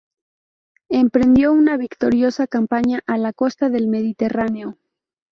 Emprendió una victoriosa campaña a la costa del Mediterráneo.